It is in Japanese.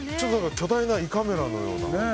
巨大な胃カメラのような。